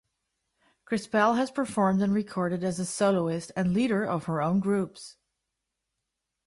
Crispell has performed and recorded as a soloist and leader of her own groups.